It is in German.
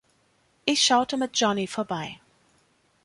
Ich schaute mit Johnny vorbei.